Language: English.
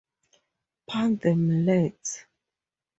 Pound 'em lads!